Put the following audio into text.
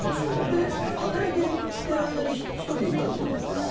で、働いている間に１人で行くなっていうことですか？